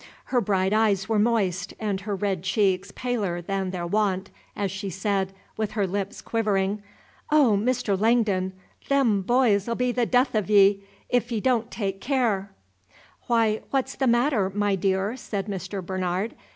Her bright eyes were moist and her red cheeks paler than their wont, as she said, with her lips quivering, "Oh, Mr. Langdon, them boys 'll be the death of ye, if ye don't take caar!" "Why, what's the matter, my dear?" said Mr. Bernard.